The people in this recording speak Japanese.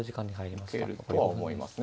受けるとは思いますね。